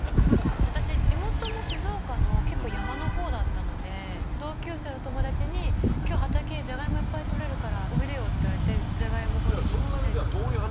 私地元も静岡の結構山のほうだったので同級生の友達に今日畑じゃがいもいっぱい採れるからおいでよって言われてじゃがいも掘りにいったりそんなにじゃあ遠い話じゃないんだね